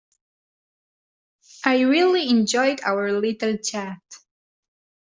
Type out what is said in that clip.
I really enjoyed our little chat.